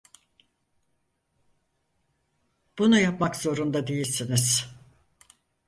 Bunu yapmak zorunda değilsiniz.